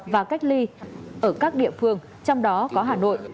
và cách ly ở các địa phương trong đó có hà nội